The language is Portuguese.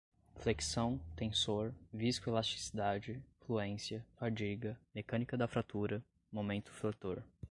flexão, tensor, viscoelasticidade, fluência, fadiga, mecânica da fratura, momento fletor